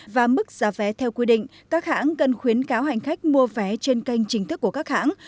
và mức giá vé theo quy định các hãng cần khuyến cáo hành khách mua vé trên kênh chính thức của các hãng